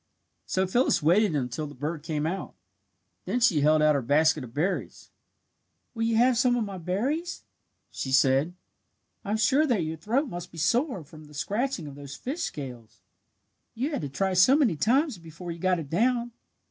So Phyllis waited until the bird came out. Then she held out her basket of berries. "Will you have some of my berries?" she said. "I'm sure that your throat must be sore from the scratching of those fish scales. You had to try so many times before you got it down.